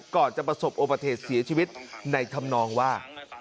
จะประสบอุบัติเหตุเสียชีวิตในธรรมนองว่า